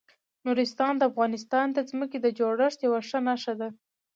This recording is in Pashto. نورستان د افغانستان د ځمکې د جوړښت یوه ښه نښه ده.